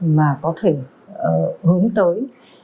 mà có thể hướng tới